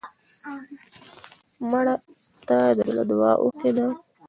مړه ته د زړه دعا اوښکې دي